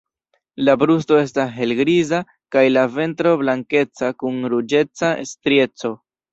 La brusto estas helgriza, kaj la ventro blankeca kun ruĝeca strieco.